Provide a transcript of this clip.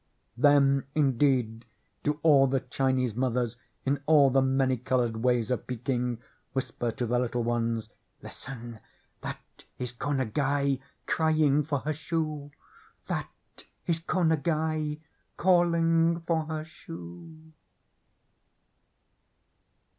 then, indeed, do all the Chinese mothers in all the many colored ways of Pe king whisper to their little ones: "Listen! that is Ko Ngai crying for her shoe! That is Ko Ngai calling Jor her shoe